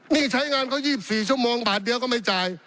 นี่ใช้งานเขา๒๔ชั่วโมงบาทเดียวก็ไม่จ่าย